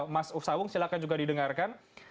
mas sawung silakan juga didengarkan